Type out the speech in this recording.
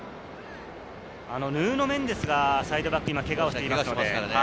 ヌーノ・メンデスがサイドバック、今ケガをしていますからね。